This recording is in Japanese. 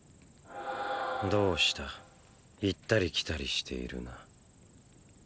どうした行ったり来たりしているな。